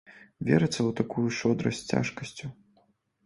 Верыцца ў такую шчодрасць з цяжкасцю.